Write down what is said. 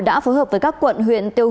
đã phối hợp với các quận huyện tiêu thủy